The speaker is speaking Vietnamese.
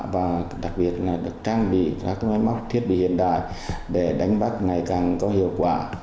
và đặc biệt là được trang bị các máy móc thiết bị hiện đại để đánh bắt ngày càng có hiệu quả